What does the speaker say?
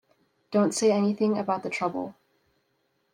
Don’t say anything about the trouble.